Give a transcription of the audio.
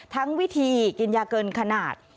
วิธีกินยาเกินขนาด